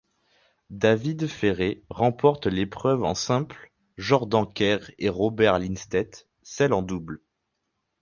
David Ferrer remporte l'épreuve en simple, Jordan Kerr et Robert Lindstedt celle en double.